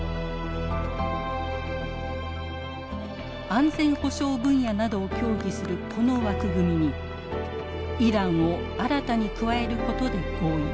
安全保障分野などを協議するこの枠組みにイランを新たに加えることで合意。